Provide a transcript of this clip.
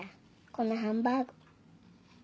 このハンバーグ。